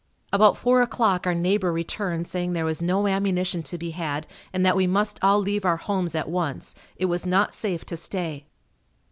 About four o'clock our neighbor returned saying there was no ammunition to be had and that we must all leave our homes at once. It was not safe to stay.